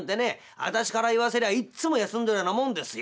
私から言わせりゃいっつも休んでるようなもんですよ。